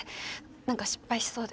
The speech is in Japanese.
何か失敗しそうで。